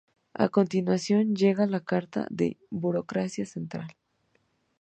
A continuación llega la carta de Burocracia Central.